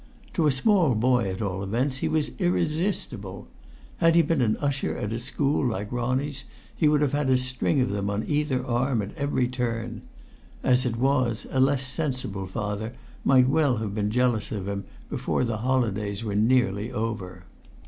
To a small boy, at all events, he was irresistible. Had he been an usher at a school like Ronnie's he would have had a string of them on either arm at every turn. As it was, a less sensible father might well have been jealous of him before the holidays were nearly over.